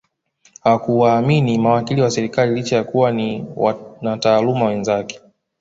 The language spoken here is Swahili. Hakuwaamini mawakili wa serikali licha ya kuwa ni wanataaluma wenzake